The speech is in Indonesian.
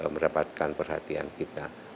mendapatkan perhatian kita